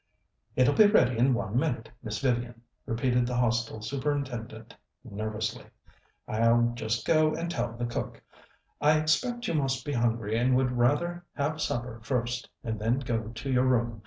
"It'll be ready in one minute, Miss Vivian," repeated the Hostel Superintendent nervously. "I'll just go and tell the cook. I expect you must be hungry, and would rather have supper first, and then go to your room.